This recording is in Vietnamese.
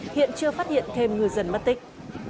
hiện chưa phát hiện thêm ngư dân mất tích